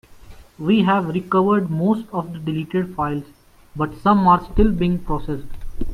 We have recovered most of the deleted files, but some are still being processed.